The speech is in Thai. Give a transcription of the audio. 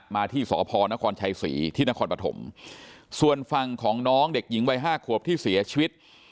มาที่สพนครชัยศรีที่นครปฐมส่วนฝั่งของน้องเด็กหญิงวัยห้าขวบที่เสียชีวิต